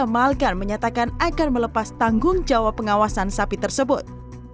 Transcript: malkan menyatakan akan melepas tanggung jawab pengawasan sapi tersebut